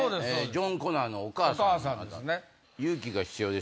ジョン・コナーのお母さん。